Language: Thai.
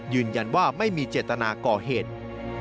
ยืนยันว่าไม่มีเจตนาก่อเหตุ